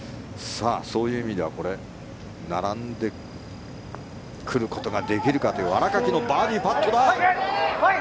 そういう意味では並んでくることができるかという新垣のバーディーパットだ。